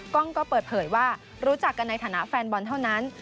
กล้องก็เปิดเผยว่ารู้จักกันในฐานะแฟนบอลเท่านั้น